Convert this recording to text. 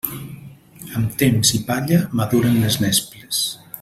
Amb temps i palla maduren les nesples.